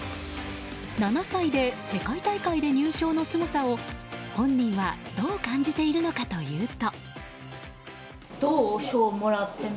７歳で世界大会で入賞のすごさを本人はどう感じているのかというと。